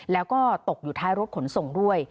แล้วก็ตกอยู่ท้ายรถขนส่งด้วย